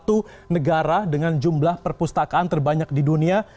jadi salah satu negara dengan jumlah perpustakaan terbanyak di dunia